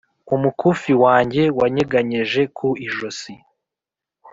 umukufi wanjye wanyeganyeje ku ijosi,